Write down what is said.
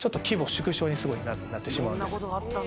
すごいなってしまうんです。